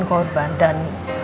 dia cuma korban dan